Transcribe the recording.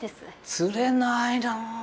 つれないな。